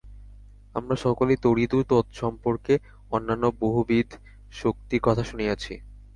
আমরা সকলেই তড়িৎ ও তৎসম্পর্কে অন্যান্য বহুবিধ শক্তির কথা শুনিয়াছি।